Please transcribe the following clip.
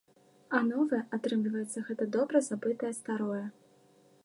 А новае, атрымліваецца, гэта добра забытае старое.